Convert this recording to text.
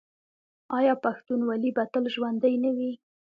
آیا پښتونولي به تل ژوندي نه وي؟